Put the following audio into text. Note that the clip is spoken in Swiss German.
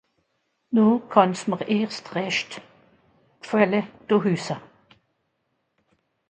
No kànn's mìr erscht rächt gfàlle do hüsse